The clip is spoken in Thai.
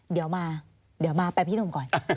เดี๋ยวมาไปพี่หนุ่มก่อน